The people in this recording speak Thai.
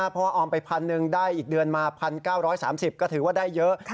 เพราะว่าออมไปพันหนึ่งได้อีกเดือนมา๑๙๓๐ก็ถือว่าได้เยอะ